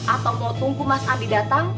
atau mau tunggu mas andi datang